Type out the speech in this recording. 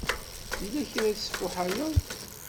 Yella kra i tesfuḥayeḍ?